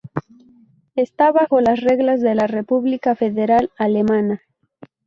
Está bajo las reglas de la República Federal Alemana.